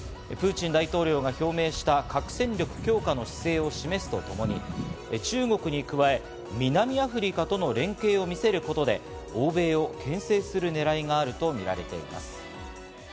プーチン大統領が表明した核戦力強化の姿勢を示すとともに中国に加え、南アフリカとの連携を見せることで欧米を牽制する狙いがあるとみられます。